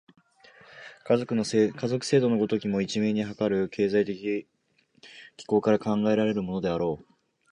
家族制度の如きも、一面にはかかる経済的機構から考えられるであろう。